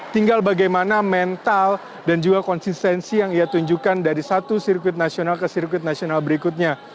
tinggal bagaimana mental dan juga konsistensi yang ia tunjukkan dari satu sirkuit nasional ke sirkuit nasional berikutnya